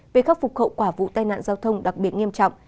về khắc phục hậu quả vụ tai nạn giao thông đặc biệt nghiêm trọng